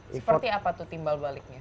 seperti apa tuh timbal baliknya